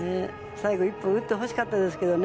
最後１本打ってほしかったですね。